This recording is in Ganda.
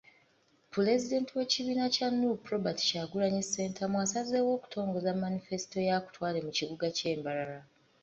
Pulezidenti w'ekibiina kya Nuupu, Robert Kyagulanyi Ssentamu, asazeewo okutongoza Manifesto akutwale mu kibuga ky'e Mbarara.